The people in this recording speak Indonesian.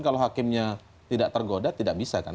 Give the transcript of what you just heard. kalau hakimnya tidak tergoda tidak bisa kan